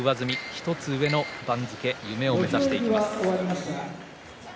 １つ上の番付夢を目指していきます。